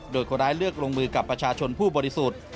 โดยคนร้ายเลือกลงมือกับประชาชนผู้บริสุทธิ์